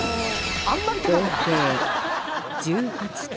合計１８点